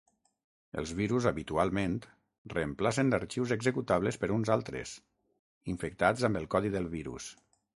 Els virus, habitualment, reemplacen arxius executables per uns altres, infectats amb el codi del virus.